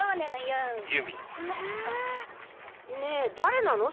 ねぇ誰なの？